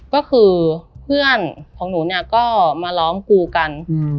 ก็คือเพื่อนของหนูเนี่ยก็มาล้อมกูกัน